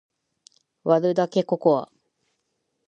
割るだけココア